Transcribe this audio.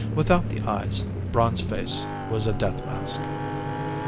Without the eyes, Braun's face was a death mask.